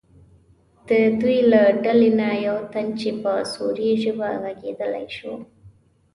د دوی له ډلې نه یو تن چې په روسي ژبه غږېدلی شو.